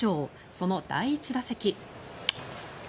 その第１打席。